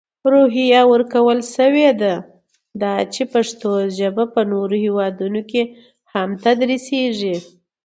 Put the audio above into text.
روحیه ورکول شوې ده، دا چې پښتو ژپه په نورو هیوادونو کې هم تدرېسېږي.